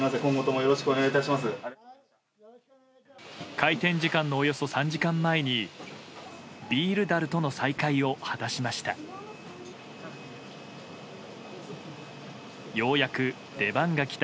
開店時間のおよそ３時間前にビールだるとの再会を果たしました。